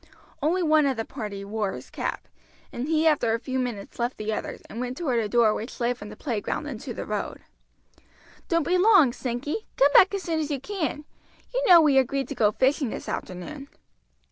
One only of the party wore his cap, and he after a few minutes left the others, and went toward a door which led from the playground into the road. "Don't be long, Sankey; come back as soon as you can, you know we agreed to go fishing this afternoon."